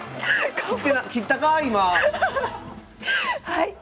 はい。